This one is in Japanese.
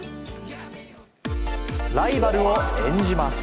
ライバルを演じます。